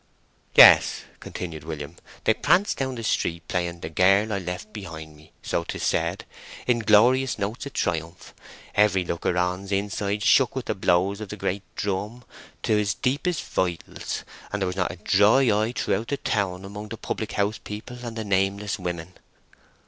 "Yes," continued William, "they pranced down the street playing 'The Girl I Left Behind Me,' so 'tis said, in glorious notes of triumph. Every looker on's inside shook with the blows of the great drum to his deepest vitals, and there was not a dry eye throughout the town among the public house people and the nameless women!"